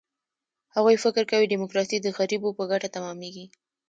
هغوی فکر کوي، ډیموکراسي د غریبو په ګټه تمامېږي.